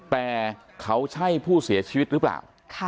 แต่เขาใช่ผู้เสียชีวิตหรือเปล่า